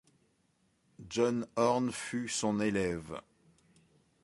John Horne fut son élève.